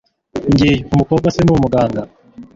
Ngiyo umukobwa se ni umuganga